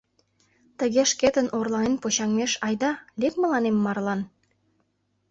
Тыге шкетын орланен почаҥмеш, айда, лек мыланем марлан?